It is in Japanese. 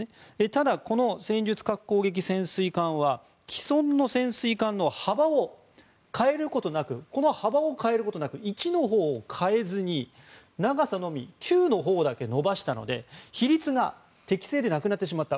ただ、この戦術核攻撃潜水艦は既存の潜水艦の幅を変えることなく１のほうを変えずに長さのみ９のほうだけ伸ばしたので比率が適正でなくなってしまった。